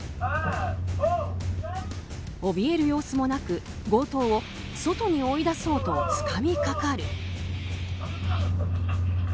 おびえる様子もなく、強盗を外に追い出そうとつかみかかる。